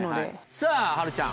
さぁはるちゃん。